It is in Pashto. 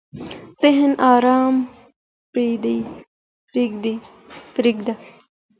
ذهن ارام پرېږده.